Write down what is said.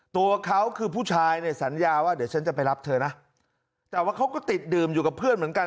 ตัวเขาคือผู้ชายเนี่ยสัญญาว่าเดี๋ยวฉันจะไปรับเธอนะแต่ว่าเขาก็ติดดื่มอยู่กับเพื่อนเหมือนกัน